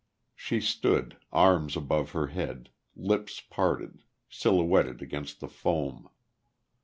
She stood, arms above her head, lips parted, silhouetted against the foam....